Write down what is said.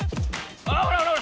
あほらほらほら。